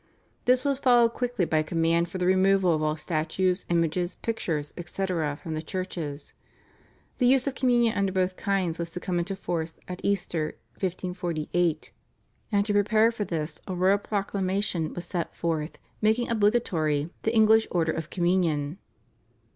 This was followed quickly by a command for the removal of all statues, images, pictures, etc. from the churches. The use of Communion under both kinds was to come into force at Easter 1548, and to prepare for this a royal proclamation was set forth making obligatory the English /Order for Communion